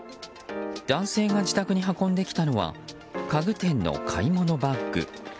男性が自宅に運んできたのは家具店の買い物バッグ。